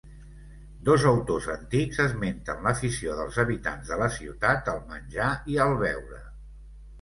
Dos autors antics esmenten l'afició dels habitants de la ciutat al menjar i al beure.